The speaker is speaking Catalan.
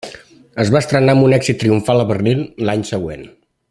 Es va estrenar amb un èxit triomfal a Berlín l'any següent.